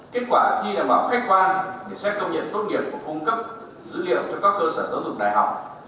kết quả thi đảm bảo khách quan để xét công nhận tốt nghiệp và cung cấp dữ liệu cho các cơ sở giáo dục đại học